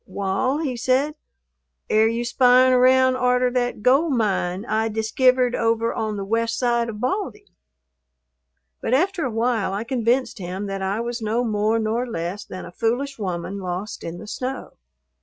"Wall," he said, "air you spying around arter that gold mine I diskivered over on the west side of Baldy?" But after a while I convinced him that I was no more nor less than a foolish woman lost in the snow.